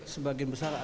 sebagian besar ada